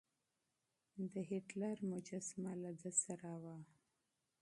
د هېټلر مجسمه له ده سره وه.